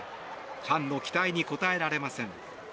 ファンの期待に応えられません。